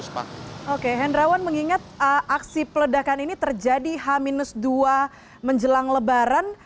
oke hendrawan mengingat aksi peledakan ini terjadi h dua menjelang lebaran